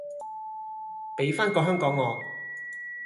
比返個香港我！